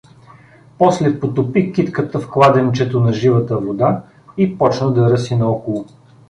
После потопи китката в Кладенчето на живата вода и почна да ръси наоколо.